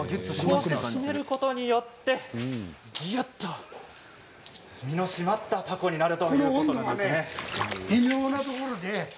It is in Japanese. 締めることによってぎゅっと身の締まったたこになるということです。